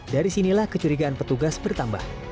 dari sinilah kecurigaan petugas bertambah